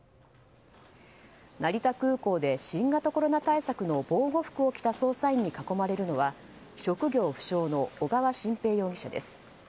成田空港で新型コロナ対策の防護服を着た捜査員に囲まれるのは職業不詳の小川晋平容疑者です。